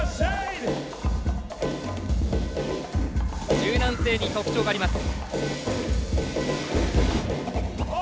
柔軟性に特徴があります。